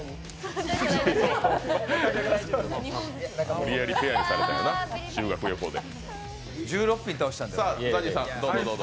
無理やりペアにされたんだな修学旅行で。